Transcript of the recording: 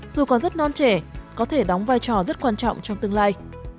dù có rất non trẻ có thể đóng vai trò rất quan trọng trong tương lai